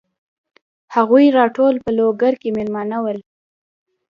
هغوی ټول په لوګر کې مېلمانه ول.